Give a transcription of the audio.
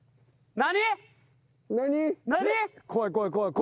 何？